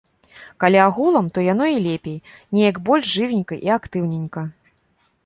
Калі агулам, то яно і лепей, неяк больш жывенька і актыўненька.